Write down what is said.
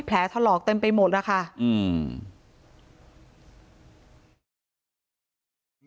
แผลทะเลาะเต็มไปหมดแล้วค่ะอืม